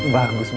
bagus banget rena